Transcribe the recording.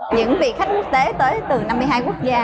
những vị khách quốc tế tới từ năm mươi hai quốc gia